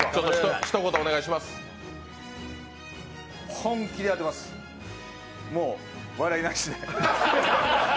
本気で当てます、もう笑いなしで。